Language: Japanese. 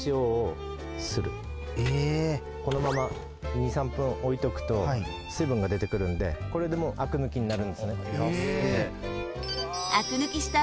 このまま２３分置いとくと水分が出てくるんでこれでもうアク抜きになるんですね。